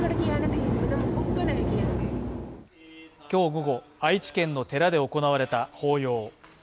今日午後、愛知県の寺で行われた法要。